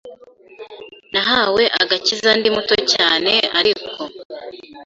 Nahawe agakiza ndi muto cyane ariko